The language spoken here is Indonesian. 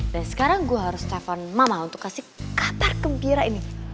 dan sekarang gue harus telepon mama untuk kasih kabar gembira ini